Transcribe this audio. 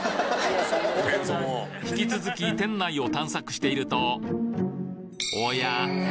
引き続き店内を探索しているとおや？